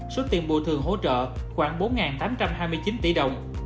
suất tiền bùa thường hỗ trợ khoảng bốn tám trăm hai mươi chín tỷ đồng